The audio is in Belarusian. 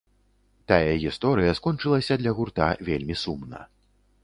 Тая гісторыя скончылася для гурта вельмі сумна.